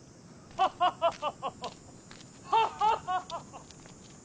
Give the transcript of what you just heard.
ハハハハ！